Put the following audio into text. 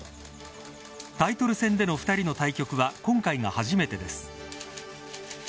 タイトル戦での２人の対局は今回が初めてです。